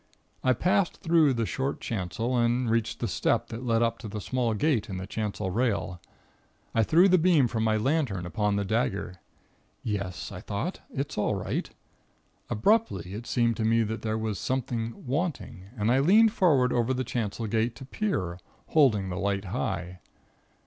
"I passed through the short chancel, and reached the step that led up to the small gate in the chancel rail. I threw the beam from my lantern upon the dagger. Yes, I thought, it's all right. Abruptly, it seemed to me that there was something wanting, and I leaned forward over the chancel gate to peer, holding the light high.